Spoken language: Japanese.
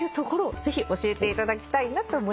ぜひ教えていただきたいなと思います。